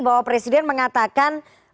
bahwa presiden mengatakan